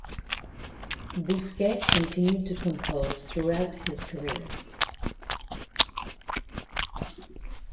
Bousquet continued to compose throughout his career.